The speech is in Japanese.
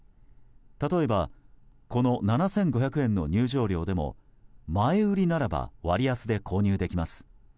例えばこの７５００円の入場料でも前売りならば割安で購入できます。